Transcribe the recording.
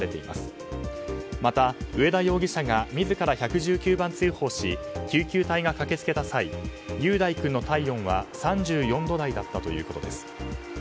また、上田容疑者が自ら１１９番通報し救急隊が駆け付けた際雄大君の体温は３４度台だったということです。